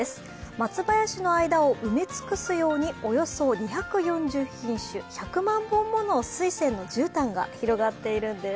松林の間を埋め尽くすようにおよそ２４０品種、１００万本ものスイセンのじゅうたんがひろがっているんです。